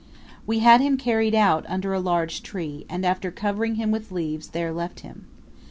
"We had him carried out under a large tree, and after covering him with leaves, there left him.